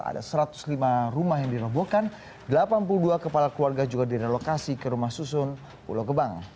ada satu ratus lima rumah yang dirobohkan delapan puluh dua kepala keluarga juga direlokasi ke rumah susun pulau gebang